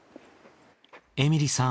エミリさん